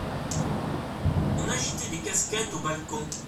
On agitait des casquettes aux balcons.